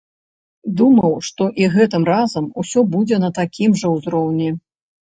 Думаў, што і гэтым разам усё будзе на такім жа ўзроўні.